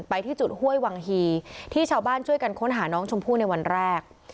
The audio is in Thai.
ที่จุดห้วยวังฮีที่ชาวบ้านช่วยกันค้นหาน้องชมพู่ในวันแรก